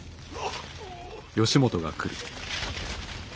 あ。